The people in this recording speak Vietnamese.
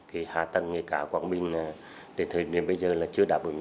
hạ tầng nghề cá quảng bình đến thời điểm bây giờ chưa đạt được